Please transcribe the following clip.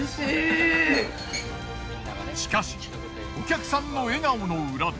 しかしお客さんの笑顔の裏で。